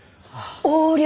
横領？